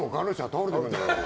倒れるんだから。